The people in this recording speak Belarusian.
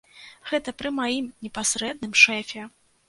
Гэта пры маім непасрэдным шэфе!